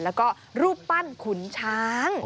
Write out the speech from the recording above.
แล้วก็รูปปั้นขุนช้าง